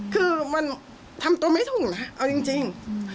คือมันทำตัวไม่ถูกนะเอาจริง